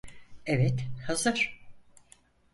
Evet, hazır.